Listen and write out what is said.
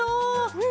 うん。